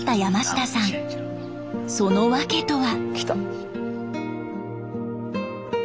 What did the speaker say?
その訳とは？